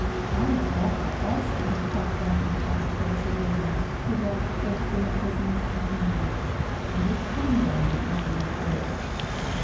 Alice Walker also had caught that look on the face of the woman who walked first in the prisoners' con tingent, and was pondering the Indian's words.